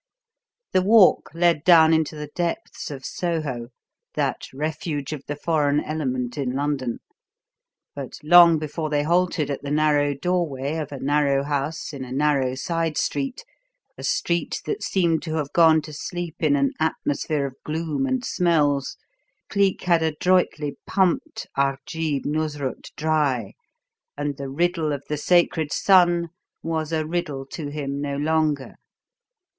The walk led down into the depths of Soho, that refuge of the foreign element in London; but long before they halted at the narrow doorway of a narrow house in a narrow side street a street that seemed to have gone to sleep in an atmosphere of gloom and smells Cleek had adroitly "pumped" Arjeeb Noosrut dry, and the riddle of the sacred son was a riddle to him no longer.